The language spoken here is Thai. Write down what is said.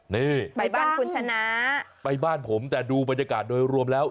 นี่ไปบ้านคุณชนะไปบ้านผมแต่ดูบรรยากาศโดยรวมแล้ว